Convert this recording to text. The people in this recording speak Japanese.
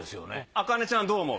茜ちゃんどう思う？